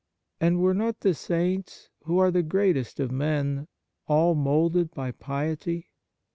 And were not the Saints, who are the greatest of men, all moulded by piety